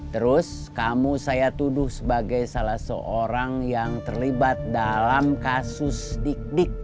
terus kamu saya tuduh sebagai salah seorang yang terlibat dalam kasus dik dik